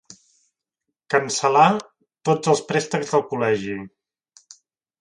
Cancel·là tots els préstecs del col·legi.